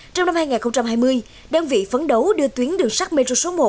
trong năm hai nghìn hai mươi đơn vị phấn đấu đưa tuyến đường sắt metro số một